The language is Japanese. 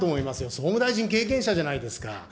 総務大臣経験者じゃないですか。